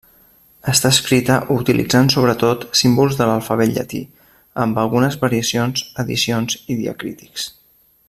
Està escrita utilitzant sobretot símbols de l'alfabet llatí, amb algunes variacions, addicions, i diacrítics.